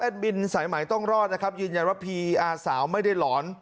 บินสายใหม่ต้องรอดนะครับยืนยันว่าพีอาสาวไม่ได้หลอน